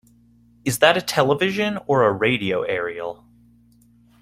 Is that a television or a radio aerial?